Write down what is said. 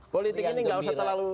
politik ini nggak usah terlalu